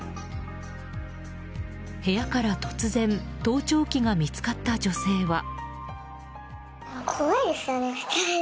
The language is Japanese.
部屋から突然盗聴器が見つかった女性は。